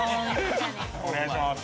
お願いします。